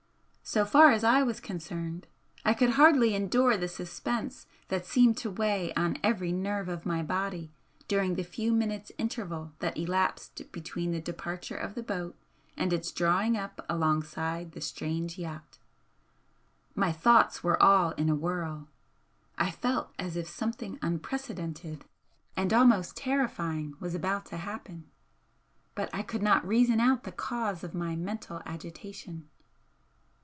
So far as I was concerned, I could hardly endure the suspense that seemed to weigh on every nerve of my body during the few minutes' interval that elapsed between the departure of the boat and its drawing up alongside the strange yacht. My thoughts were all in a whirl, I felt as if something unprecedented and almost terrifying was about to happen, but I could not reason out the cause of my mental agitation.